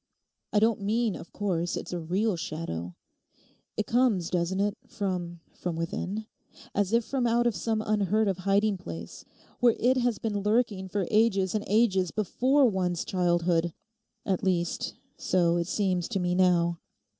I don't mean, of course, it's a real shadow. It comes, doesn't it, from—from within? As if from out of some unheard of hiding place, where it has been lurking for ages and ages before one's childhood; at least, so it seems to me now.